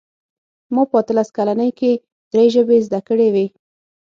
ما په اتلس کلنۍ کې درې ژبې زده کړې وې